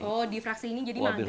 oh di fraksi ini jadi mangga